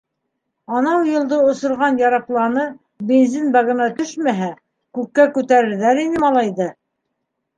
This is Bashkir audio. Анау йылды осорған ярапланы бензин багына төшмәһә, күккә күтәрерҙәр ине малайҙы.